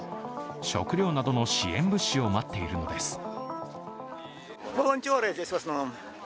食料などの支援物資を待っているのです。